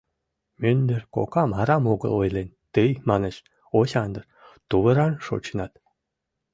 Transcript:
Мӱндыр кокам арам огыл ойлен: «Тый, — манеш, — Осяндр, тувыран шочынат».